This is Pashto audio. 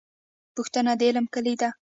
پوښتنه د علم کیلي ده